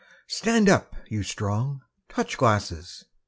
Stand up, you Strong! Touch glasses!